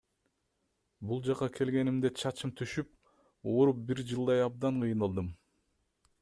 Бул жакка келгенимде чачым түшүп, ооруп бир жылдай абдан кыйналдым.